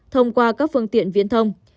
thông qua các phương tiện viên thông